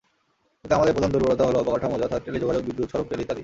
কিন্তু আমাদের প্রধান দুর্বলতা হলো অবকাঠামো যথা—টেলিযোগাযোগ, বিদ্যুৎ, সড়ক, রেল ইত্যাদি।